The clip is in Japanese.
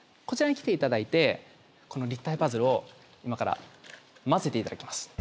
こちらに来て頂いてこの立体パズルを今から交ぜて頂きます。